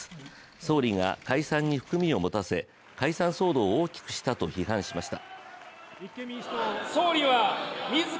総理が解散に含みを持たせ解散騒動を大きくしたと批判しました。